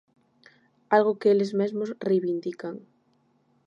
Algo que eles mesmos reivindican.